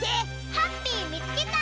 ハッピーみつけた！